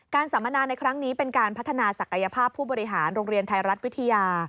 สัมมนาในครั้งนี้เป็นการพัฒนาศักยภาพผู้บริหารโรงเรียนไทยรัฐวิทยา